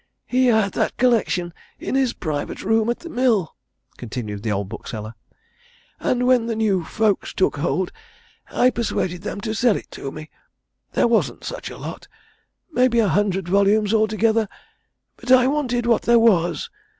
"He had that collection in his private room at the mill," continued the old bookseller, "and when the new folks took hold, I persuaded them to sell it to me. There wasn't such a lot maybe a hundred volumes altogether but I wanted what there was.